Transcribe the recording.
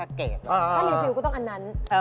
ถ้ารีวิวก็ต้องอันนั้น